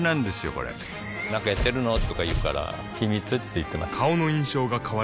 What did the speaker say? これなんかやってるの？とか言うから秘密って言ってます